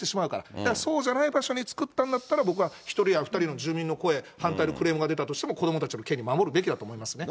だからそうじゃない場所に作ったんだったら、僕は１人や２人の住民の声、反対のクレームが出たとしても子どもの権利、守るべきだと思いますね。